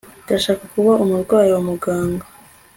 Ndashaka kuba umurwayi wa muganga